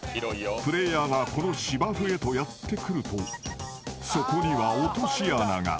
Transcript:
［プレーヤーがこの芝生へとやって来るとそこには落とし穴が］